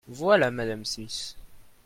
Voilà Mme. Smith.